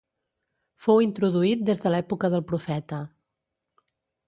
Fou introduït des de l'època del Profeta.